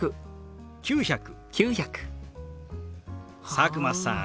佐久間さん